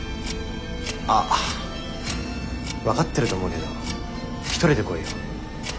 あっ分かってると思うけど一人で来いよ。